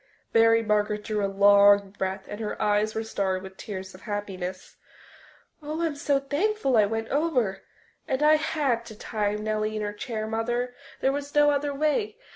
Mary Margaret drew a long breath and her eyes were starry with tears of happiness. "Oh, I'm so thankful I went over. And I had to tie Nellie in her chair, Mother, there was no other way.